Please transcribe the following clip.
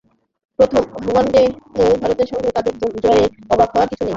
প্রথম ওয়ানডেতে ভারতের সঙ্গে তাদের জয়ে তাই অবাক হওয়ার কিছু নেই।